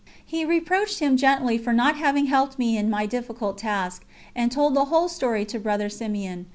He reproached him gently for not having helped me in my difficult task, and told the whole story to Brother Simeon.